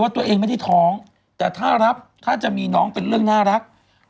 แต่ถ้าจะมีน้องเป็นเรื่องน่ารัก